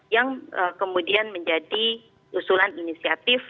yang kemudian menjadi usulan inisiatif